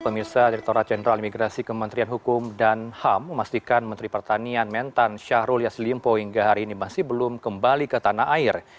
pemirsa direkturat jenderal imigrasi kementerian hukum dan ham memastikan menteri pertanian mentan syahrul yassin limpo hingga hari ini masih belum kembali ke tanah air